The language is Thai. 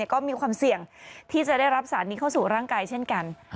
ก็มีความเสี่ยงที่จะได้รับสารนี้เข้าสู่ร่างกายเช่นกัน